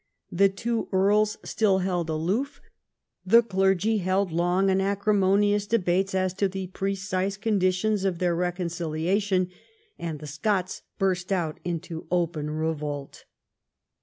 The two earls still held aloof ; the clergy held long and acrimonious debates as to the precise conditions of their reconciliation ; and the Scots burst out into open revolt.